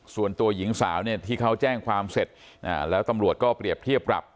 ส่วนตัวหญิงสาวเนี่ยที่เขาแจ้งความเสร็จแล้วตำรวจก็เปรียบเทียบปรับ